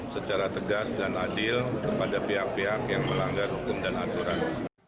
secara tegas dan adil kepada pihak pihak yang melanggar hukum dan aturan